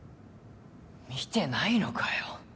見てないのかよ